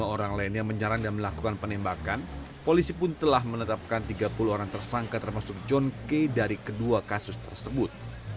dua puluh orang lainnya menyaran dan melakukan penembakan polisi pun telah menetapkan tiga puluh orang tersangka termasuk john k dari kedua kasus tersebut